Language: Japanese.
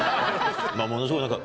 ものすごい何か。